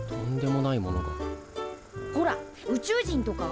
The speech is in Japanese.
ほら宇宙人とか！